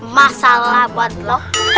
masalah buat lo